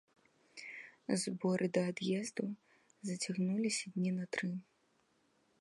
Зборы да ад'езду зацягнуліся дні на тры.